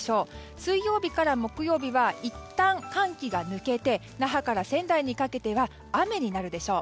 水曜日から木曜日はいったん寒気が抜けて那覇から仙台にかけては雨になるでしょう。